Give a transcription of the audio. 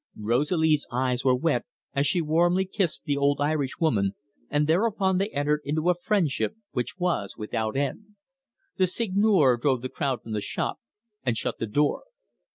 Rosalie's eyes were wet as she warmly kissed the old Irishwoman, and thereupon they entered into a friendship which was without end. The Seigneur drove the crowd from the shop, and shut the door.